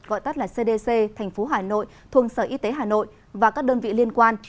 gọi tắt là cdc thành phố hà nội thuận sở y tế hà nội và các đơn vị liên quan